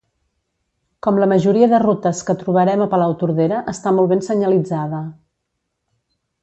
Com la majoria de rutes que trobarem a Palautordera està molt ben senyalitzada